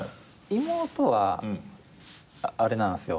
妹はあれなんですよ。